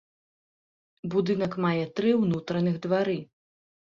Будынак мае тры ўнутраных двары.